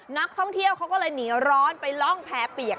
นักท่องเที่ยวเขาก็เลยหนีร้อนไปล่องแพ้เปียก